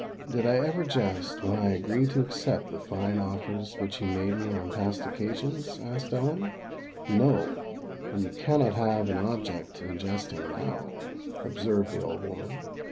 "Did I ever jest when I agreed to accept the fine offers which you made me on past occasions?" asked Ellen. "No: and you cannot have an object in jesting now," observed the old woman.